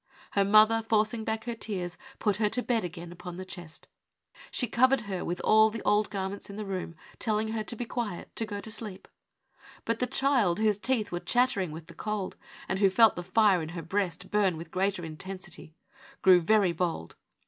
Her mother, forcing back her tears, put her to bed again upon the chest. She covered her with all the old garments in the room, telling her to be quiet, to go to sleep. But the child, whose teeth were chattering with the cold, and who felt the fire in her breast burn with greater intensity, grew very bold.